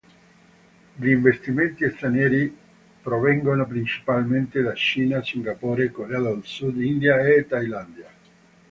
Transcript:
Gli investimenti stranieri provengono principalmente da Cina, Singapore, Corea del Sud, India e Thailandia.